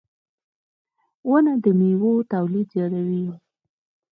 • ونه د میوو تولید زیاتوي.